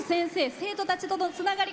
生徒たちとのつながり